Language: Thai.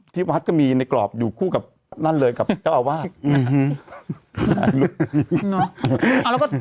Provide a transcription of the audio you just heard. ที่วัดก็มีในกรอบอยู่คู่กับนั่นเลยกับเจ้าอาวาส